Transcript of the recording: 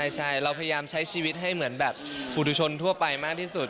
ใช่เราพยายามใช้ชีวิตเหมือนสุธรุชนท่อไปมากที่สุด